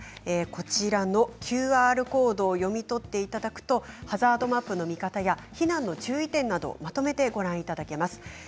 こちらのＱＲコードを読み取っていただくとハザードマップの見方や避難の注意点などをまとめてご覧いただけます。